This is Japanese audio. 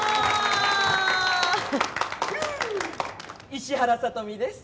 石原さとみです。